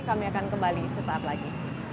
kami akan kembali sesaat lagi